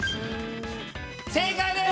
正解です！